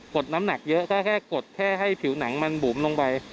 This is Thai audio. ดน้ำหนักเยอะก็แค่กดแค่ให้ผิวหนังมันบุ๋มลงไป